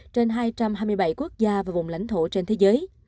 trên hai trăm hai mươi bảy quốc gia và vùng lãnh thổ trên thế giới